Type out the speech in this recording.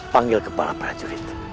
panggil kepala prajurit